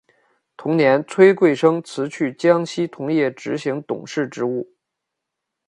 同年崔贵生辞去江西铜业执行董事职务。